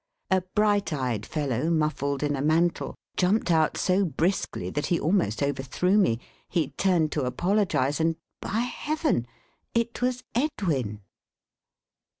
A bright eyed fellow, muffled in a mantle, jumped out so briskly that he almost overthrew me. He turned to apologise, and, by heaven, it was Edwin!